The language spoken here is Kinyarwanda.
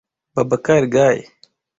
Babacar Gaye